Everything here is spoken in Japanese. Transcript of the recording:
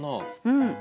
うん。